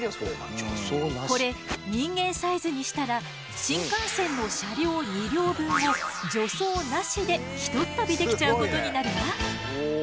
これ人間サイズにしたら新幹線の車両２両分を助走なしでひとっ跳びできちゃうことになるわ。